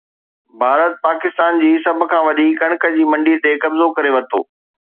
ڀارت پاڪستان جي سڀ کان وڏي ڪڻڪ جي منڊي تي قبضو ڪري ورتو